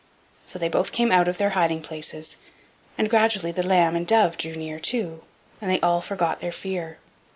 So they both came out of their hiding places, and gradually the lamb and dove drew near too, and they all forgot their fear.